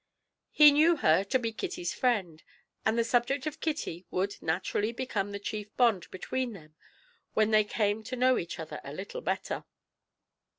He knew her to be Kitty's friend, and the subject of Kitty would naturally become the chief bond between them when they came to know each other a little better.